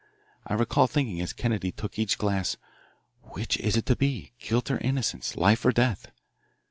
I recall thinking as Kennedy took each glass, "Which is it to be, guilt or innocence, life or death?"